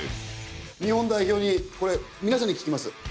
日本代表にこれ皆さんに聞きます。